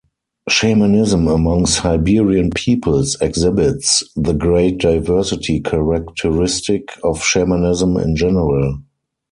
Shamanism among Siberian peoples exhibits the great diversity characteristic of shamanism in general.